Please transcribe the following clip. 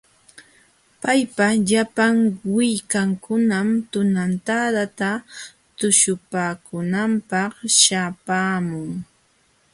Paypa llapan willkankunam tunantadata tuśhupaakunanpaq śhapaamun.